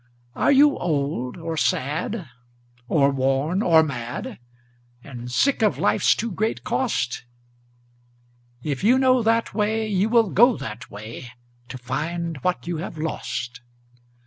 Are you old or sad or worn or mad, And sick of life's too great cost? If you know that way, you will go that way, To find what you have lost.